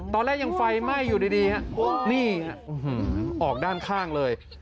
ตอนแรกยังไฟไหม้อยู่ดีฮะนี่ฮะออกด้านข้างเลย